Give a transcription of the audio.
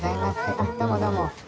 どうもどうも。